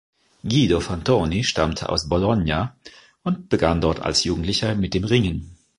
Guido Fantoni stammte aus Bologna und begann dort als Jugendlicher mit dem Ringen.